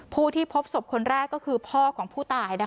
ผู้ที่พบศพคนแรกก็คือพ่อของผู้ตาย